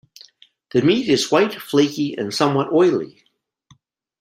The meat is white, flaky and somewhat oily.